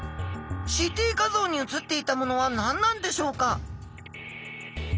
ＣＴ画像に写っていたものは何なんでしょうか？